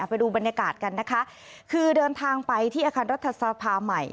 ไปดูบรรยากาศกันนะคะคือเดินทางไปที่อาคารรัฐสภาใหม่